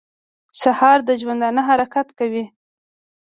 سهار د ژوندانه حرکت کوي.